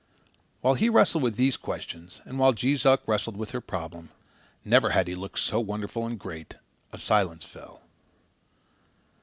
While he wrestled with these questions and while Jees Uck wrestled with her problem never had he looked so wonderful and great a silence fell.